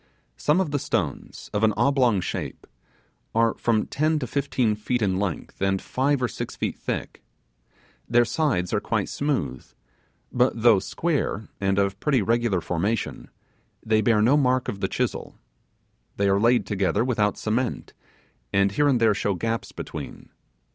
Some of the stones, of an oblong shape, are from ten to fifteen feet in length, and five or six feet thick. Their sides are quite smooth, but though square, and of pretty regular formation, they bear no mark of the chisel. They are laid together without cement, and here and there show gaps between.